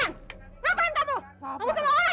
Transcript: ngapain kamu kamu semua orang ya